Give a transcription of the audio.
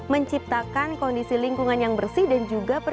menciptakan kondisi lingkungan yang bersih dan juga